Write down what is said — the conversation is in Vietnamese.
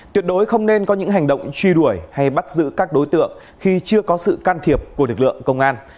tuyệt đối không nên có những hành động truy đuổi hay bắt giữ các đối tượng khi chưa có sự can thiệp của lực lượng công an